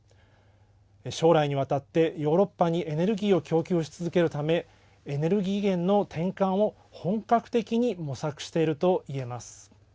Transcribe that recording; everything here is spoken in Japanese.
将来にわたってヨーロッパにエネルギーを供給し続けるためエネルギー源の転換を本格的に模索していると言えます。